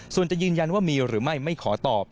ส่วนจะยืนยันว่ามีหรือไม่ไม่ขอตอบ